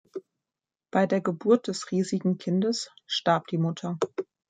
Bei der Geburt des riesigen Kindes starb die Mutter.